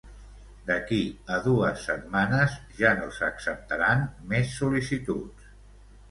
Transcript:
D'aquí a dues setmanes ja no s'acceptaran més sol·licituds.